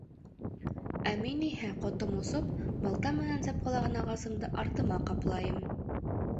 Э, мин иһә, ҡотом осоп, балта менән сапҡылаған ағасымды артыма ҡаплайым.